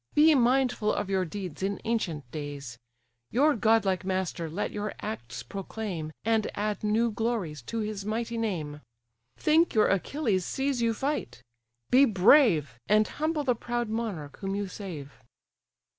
Be mindful of your deeds in ancient days; Your godlike master let your acts proclaim, And add new glories to his mighty name. Think your Achilles sees you fight: be brave, And humble the proud monarch whom you save."